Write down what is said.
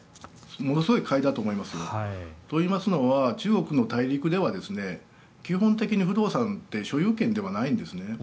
ものすごい買いだと思いますよ。といいますのは中国の大陸では基本的に不動産って所有権ではないんですね。